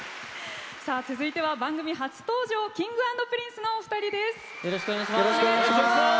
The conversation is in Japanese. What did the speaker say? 続いては、番組初登場Ｋｉｎｇ＆Ｐｒｉｎｃｅのお二人です。